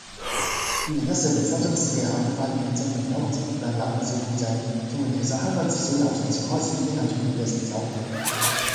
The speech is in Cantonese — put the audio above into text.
二零一四年沙中線嘅考古發現，證明九龍城附近有唔少古井，證明其實香港至少由宋朝開始已經係重要嘅城鎮